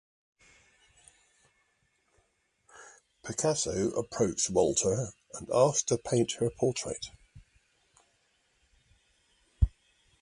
Picasso approached Walter and asked to paint her portrait.